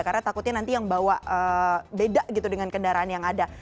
karena takutnya nanti yang bawa beda gitu dengan kendaraan yang ada